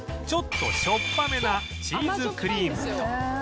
ちょっとしょっぱめなチーズクリーム